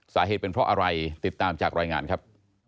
สาเหตุเป็นเพราะอะไรติดตามจากรายงานครับ